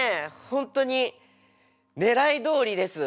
本当にねらいどおりです。